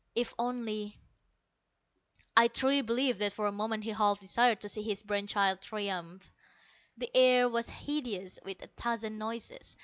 "If only " I truly believe that for a moment he half desired to see his brain child triumph. The air was hideous with a thousand noises.